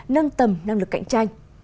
nâng tầm năng lực cạnh tranh